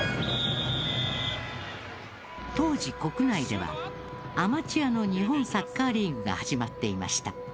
当時、国内ではアマチュアの日本サッカーリーグが始まっていました。